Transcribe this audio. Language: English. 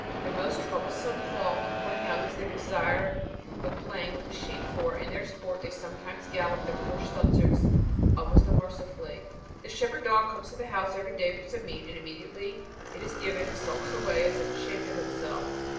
Their most troublesome fault, when young, is their desire of playing with the sheep; for, in their sport, they sometimes gallop their poor subjects most unmercifully. The shepherd dog comes to the house every day for some meat, and immediately it is given him he skulks away as if ashamed of himself.